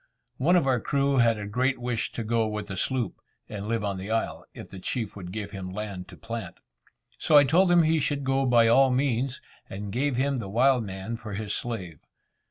One of our crew had a great wish to go with the sloop, and live on the isle, if the chief would give him land to plant. So I told him he should go by all means, and gave him the wild man for his slave.